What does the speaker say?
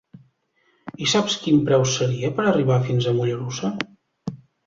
I saps quin preu seria per arribar fins a Mollerussa?